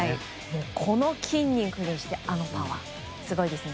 この筋肉にしてあのパワーすごいですね。